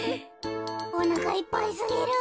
おなかいっぱいすぎる。